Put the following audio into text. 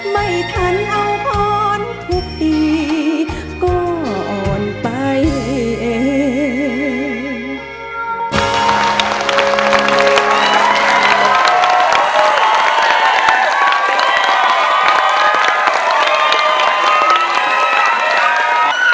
ไม่ทันเอาผลทุกปีก็อ่อนไปเอง